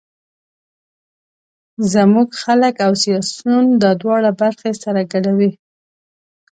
زموږ خلک او سیاسون دا دواړه برخې سره ګډوي.